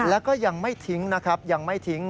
แล้วก็ยังไม่ทิ้งนะครับยังไม่ทิ้ง